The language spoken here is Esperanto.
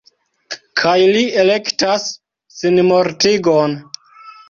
Kaj li elektas sinmortigon.